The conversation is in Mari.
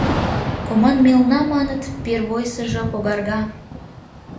Команмелна, маныт, первойсыжо когарга.